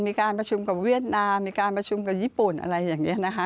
มีการประชุมกับเวียดนามมีการประชุมกับญี่ปุ่นอะไรอย่างนี้นะคะ